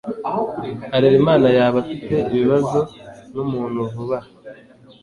Harerimana yaba afite ibibazo numuntu vuba aha?